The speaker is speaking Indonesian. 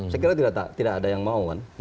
saya kira tidak ada yang mau kan